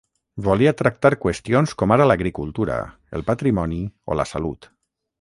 Volia tractar qüestions com ara l’agricultura, el patrimoni o la salut.